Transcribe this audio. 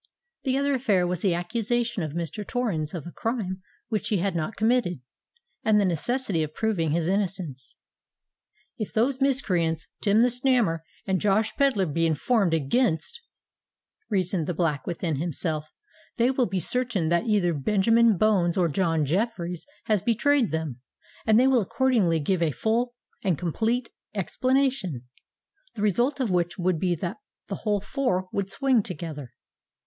The other affair was the accusation of Mr. Torrens of a crime which he had not committed, and the necessity of proving his innocence. "If those miscreants Tim the Snammer and Josh Pedler be informed against," reasoned the Black within himself, "they will be certain that either Benjamin Bones or John Jeffreys has betrayed them, and they will accordingly give a full and complete explanation, the result of which would be that the whole four would swing together.